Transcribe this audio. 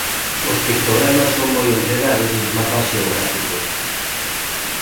Os pictogramas son moi empregados nos mapas xeográficos.